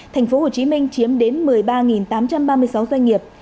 thành phố hồ chí minh chiếm đến một mươi ba tám trăm ba mươi sáu doanh nghiệp